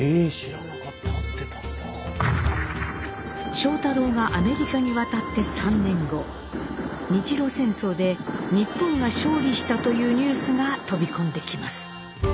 庄太郎がアメリカに渡って３年後日露戦争で日本が勝利したというニュースが飛び込んできます。